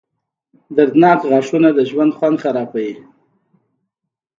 • دردناک غاښونه د ژوند خوند خرابوي.